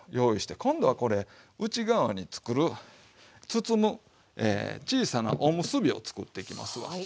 今度はこれ内側に作る包む小さなおむすびを作っていきますわ。